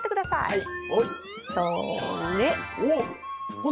はい。